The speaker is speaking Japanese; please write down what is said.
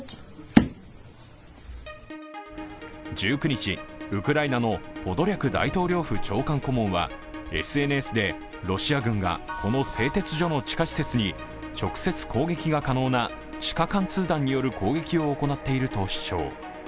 １９日、ウクライナのポドリャク大統領府長官顧問はＳＮＳでロシア軍がこの製鉄所の地下施設に直接攻撃が可能な地下貫通弾による攻撃を行っていると主張。